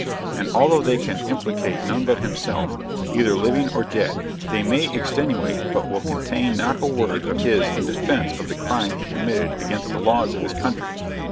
And although they can implicate none but himself, either living or dead, they may extenuate but will contain not a word of his in defence of the crime he committed against the laws of his country.